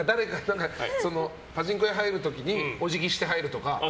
パチンコ屋入る時にお辞儀して入るとか。